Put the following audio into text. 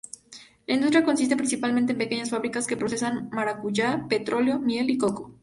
La industria consiste principalmente en pequeñas fábricas que procesan maracuyá, petróleo, miel y coco.